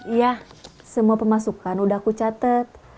iya semua pemasukan udah aku catat